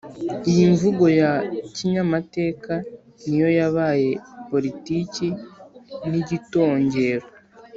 iyi mvugo ya kinyamateka niyo yabaye politiki n’igitongero